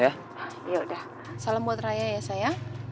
yaudah salam buat raya ya sayang